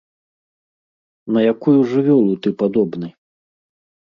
На якую жывёлу ты падобны?